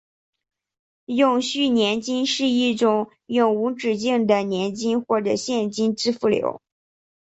永续年金是一种永无止境的年金或者现金支付流。